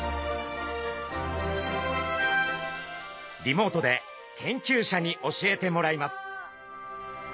リモートで研究者に教えてもらいます。